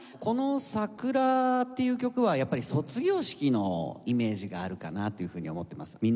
この『さくら』っていう曲はやっぱり卒業式のイメージがあるかなっていうふうに思ってます。